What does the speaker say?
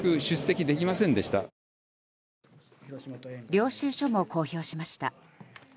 領収書も公表しました。